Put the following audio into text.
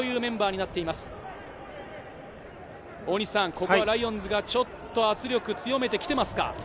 ここはライオンズがちょっと圧力を強めてきていますか？